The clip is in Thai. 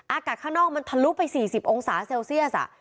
อากาศข้างนอกมันทะลุไป๔๐องศาเซลเซียส